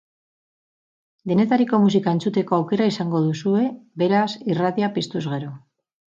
Denetariko musika entzuteko aukera izango duzue, beraz, irratia piztuz gero.